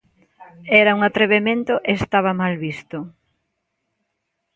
Era un atrevemento e estaba mal visto.